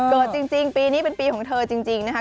เกิดจริงปีนี้เป็นปีของเธอจริงนะคะ